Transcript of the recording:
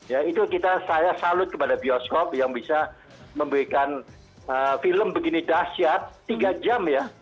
ya itu kita saya salut kepada bioskop yang bisa memberikan film begini dahsyat tiga jam ya